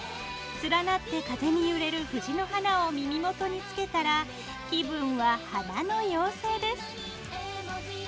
連なって風に揺れる藤の花を耳元につけたら気分は花の妖精です！